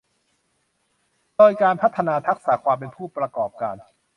โดยการพัฒนาทักษะความเป็นผู้ประกอบการ